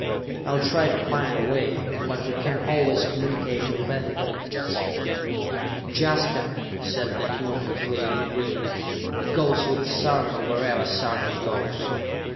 I'll try to find a way, but we can always communicate telepathically. Jaska...." "Jaska," said that young lady grimly, "goes with Sarka wherever Sarka goes!"